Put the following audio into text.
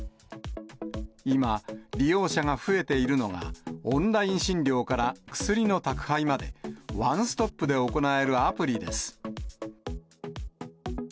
今、利用者が増えているのが、オンライン診療から薬の宅配までワンストップで行えるアプリです。